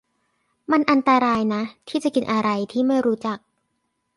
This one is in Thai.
มันอันตรายนะที่จะกินอะไรที่ไม่รู้จัก